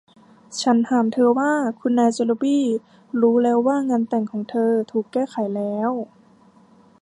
ฉันถามเธอว่า คุณนายเจลลี่บี่ รู้แล้วว่างานแต่งของเธอถูกแก้ไขแล้ว